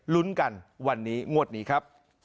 ลุ้นกันวันนี้งวดนี้ครับ